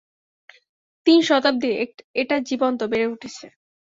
তিন শতাব্দী এটা জীবন্ত, বেড়ে উঠেছে।